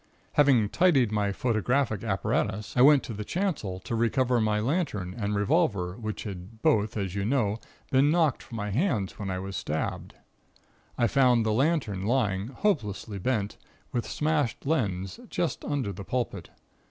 "Having tidied my photographic apparatus, I went to the chancel to recover my lantern and revolver, which had both as you know been knocked from my hands when I was stabbed. I found the lantern lying, hopelessly bent, with smashed lens, just under the pulpit.